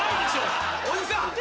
おじさん！